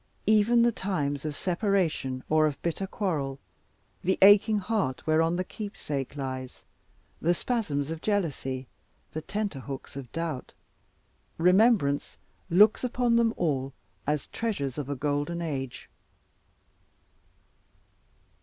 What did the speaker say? Even the times of separation or of bitter quarrel, the aching heart whereon the keepsake lies, the spasms of jealousy, the tenterhooks of doubt; remembrance looks upon them all as treasures of a golden age.